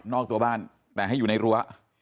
อกตัวบ้านแต่ให้อยู่ในรั้ว